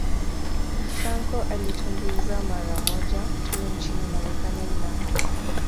Franco alitumbuiza mara moja tu nchini Marekani mnamo